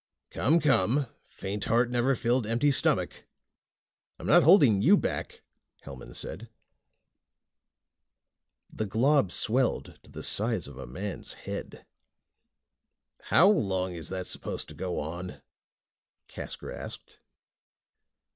"Come, come. Faint heart never filled an empty stomach." "I'm not holding you back," Hellman said. The glob swelled to the size of a man's head. "How long is that supposed to go on?" Casker asked.